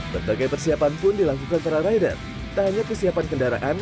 berbagai persiapan pun dilakukan para rider tak hanya kesiapan kendaraan